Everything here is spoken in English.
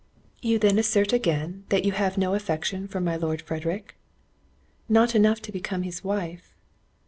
"You then assert again, that you have no affection for my Lord Frederick?" "Not enough to become his wife."